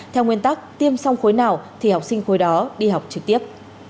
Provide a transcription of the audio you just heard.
theo nguyên tắc tiêm song khối nào thì học sinh khối đó đi học trực tiếp